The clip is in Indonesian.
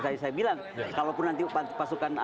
tadi saya bilang kalaupun nanti pasukan